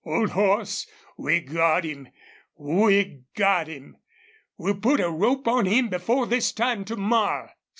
"Old horse, we've got him! ... We've got him! ... We'll put a rope on him before this time to morrow!"